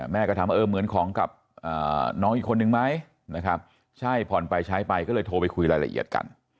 แม่ก็ถามว่าเหมือนของกับน้องอีกคนนึงไหมนะครับใช่ผ่อนไปใช้ไปก็เลยโทรไปคุยรายละเอียดกัน